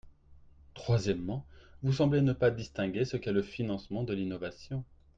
Troisièmement, vous semblez ne pas distinguer ce qu’est le financement de l’innovation.